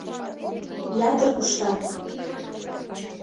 Ятыр куштат.